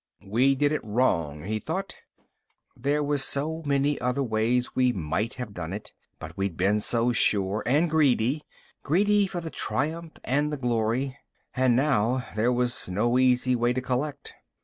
We did it wrong, he thought. There were so many other ways we might have done it, but we'd been so sure and greedy greedy for the triumph and the glory and now there was no easy way to collect.